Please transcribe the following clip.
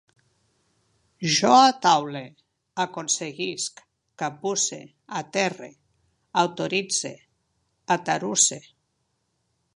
Jo ataule, aconseguisc, capbusse, aterre, autoritze, atarusse